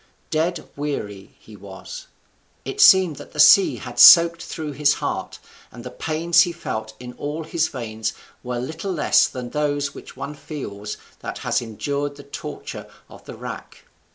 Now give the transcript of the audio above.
Dead weary he was. It seemed that the sea had soaked through his heart, and the pains he felt in all his veins were little less than those which one feels that has endured the torture of the rack.